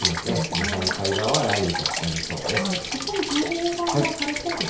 日本海側は雷雨となりそうです。